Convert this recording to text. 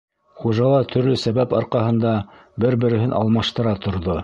Хужалар төрлө сәбәп арҡаһында бер-береһен алмаштыра торҙо.